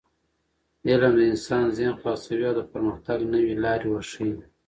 علم د انسان ذهن خلاصوي او د پرمختګ نوې لارې ورښيي.